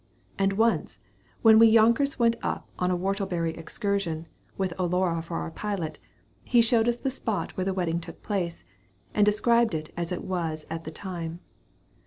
And once, when we yonkers went upon a whortleberry excursion, with O'Lara for our pilot, he showed us the spot where the wedding took place, and described it as it was at the time.